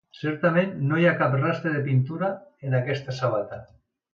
Certament no hi ha cap rastre de pintura en aquesta sabata.